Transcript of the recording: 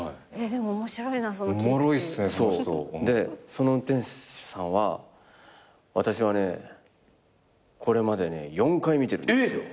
その運転手さんは「私はねこれまでね４回見てるんですよ」えっ！